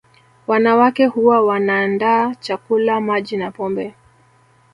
Wanawake huwa wanaandaa chakula Maji na pombe